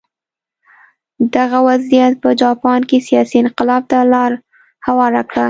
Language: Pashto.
دغه وضعیت په جاپان کې سیاسي انقلاب ته لار هواره کړه.